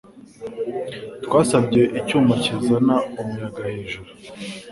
Twasabye icyuma kizana umuyaga hejuru